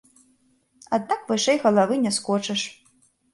Аднак вышэй галавы не скочыш.